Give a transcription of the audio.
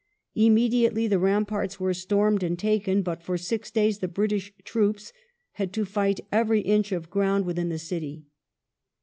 Immediately the ramparts were stormed and taken, but for six days the British troops had to fight every inch of ground within the city.